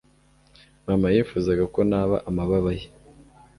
mama yifuzaga ko naba amababa ye